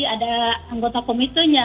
ada anggota komiternya